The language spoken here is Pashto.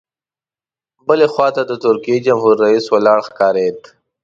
بلې خوا ته د ترکیې جمهور رئیس ولاړ ښکارېد.